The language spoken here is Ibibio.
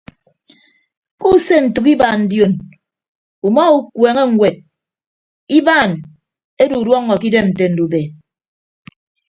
Kuuse ntәk ibaan dion uma ukueene ñwed ibaan edu uduọ ke idem nte ndube.